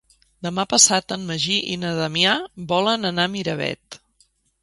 Demà passat en Magí i na Damià volen anar a Miravet.